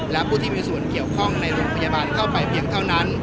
และผู้ที่มีส่วนเกี่ยวข้องในโรงพยาบาลเข้าไปเพียงเท่านั้น